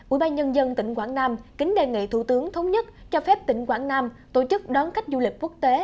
ubnd tỉnh quảng nam kính đề nghị thủ tướng thống nhất cho phép tỉnh quảng nam tổ chức đón khách du lịch quốc tế